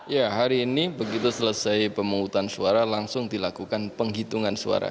ya hari ini begitu selesai pemungutan suara langsung dilakukan penghitungan suara